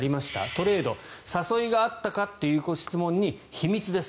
トレード、誘いがあったかという質問に対して秘密です